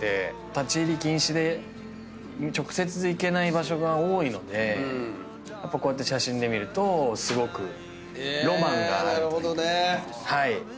立ち入り禁止で直接行けない場所が多いのでこうやって写真で見るとすごくロマンがあるという。